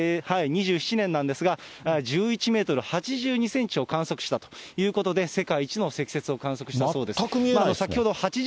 １９２７年なんですが、１１メートル８２センチを観測したということで、世界一の積雪を観測したそうです。